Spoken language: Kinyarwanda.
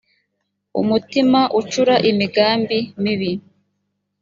umutima ucura imigambi mibi